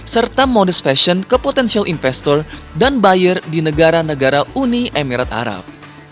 serta modus fashion ke potential investor dan buyer di negara negara uni emirat arab